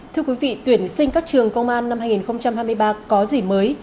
thưa quý vị tuyển sinh các trường công an năm hai nghìn hai mươi ba có gì mới